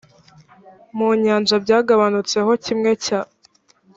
mu nyanja byagabanutseho kimwe cya